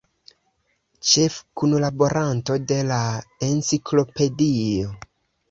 Ĉefkunlaboranto de la Enciklopedio.